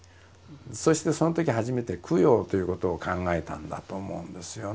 そしてそのとき初めて供養ということを考えたんだと思うんですよね。